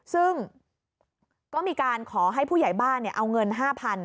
ซึ่งก็มีการขอให้ผู้ใหญ่บ้านเอาเงิน๕๐๐บาท